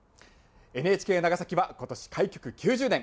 ＮＨＫ長崎は今年、開局９０年。